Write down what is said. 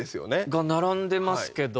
が並んでますけど。